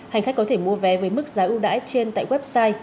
hành khách có thể mua vé với mức giá ưu đãi trên tại website